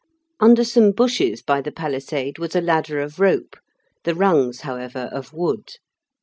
Under some bushes by the palisade was a ladder of rope, the rungs, however, of wood.